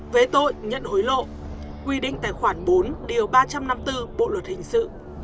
về tội nhận hối lộ quy định tài khoản bốn điều ba trăm năm mươi bốn bộ luật hình sự